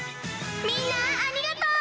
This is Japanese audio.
みんなありがとう！